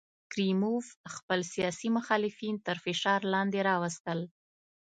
کریموف خپل سیاسي مخالفین تر فشار لاندې راوستل.